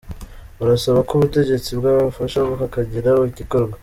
Barasaba ko ubutegetsi bwabafasha hakagira igikorwa.